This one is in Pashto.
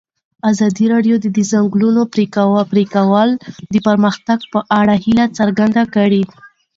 ازادي راډیو د د ځنګلونو پرېکول د پرمختګ په اړه هیله څرګنده کړې.